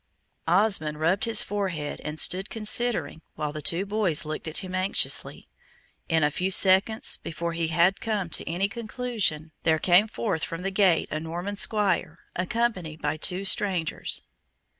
Osmond rubbed his forehead and stood considering, while the two boys looked at him anxiously. In a few seconds, before he had come to any conclusion, there came forth from the gate a Norman Squire, accompanied by two strangers.